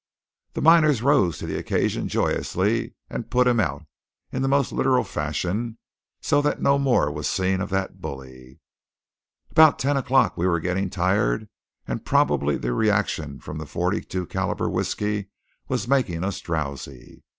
The miners rose to the occasion joyously, and "put him out" in the most literal fashion; so that no more was seen of that bully. About ten o'clock we were getting tired; and probably the reaction from the "42 calibre whiskey" was making us drowsy.